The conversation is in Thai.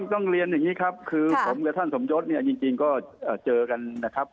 ต้องเรียนอย่างนี้ครับคือผมกับท่านสมยศเนี่ยจริงก็เจอกันนะครับ